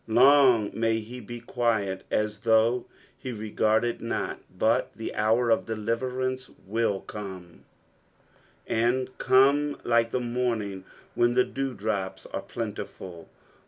Long may he be quiet as though be regarded not. but the hour of deliverance will come, and cnmc like the morning when the dewdrops are plentiful.